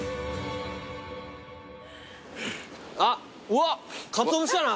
あっうわっかつお節じゃない？